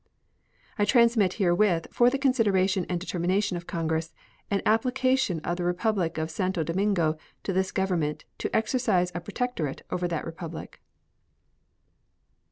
I transmit herewith, for the consideration and determination of Congress, an application of the Republic of Santo Domingo to this Government to exercise a protectorate over that Republic.